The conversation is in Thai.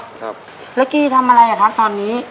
ครับแล้วกี๊ทำอะไรกับทักตอนนี้